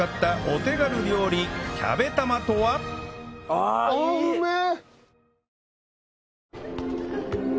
ああうめえ！